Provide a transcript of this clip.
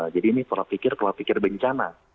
jadi ini kepala pikir kepala pikir bencana